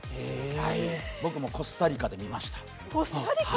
僕もコスタリカで見ました。